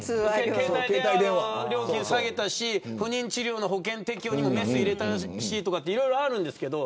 携帯電話の料金下げたし不妊治療の保険適用にもメスを入れたとかあるんですけど。